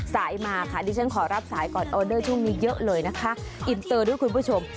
สายมาค่ะดิฉันขอรับสายก่อนออเดอร์ช่วงนี้เยอะเลยนะคะอินเตอร์ด้วยคุณผู้ชม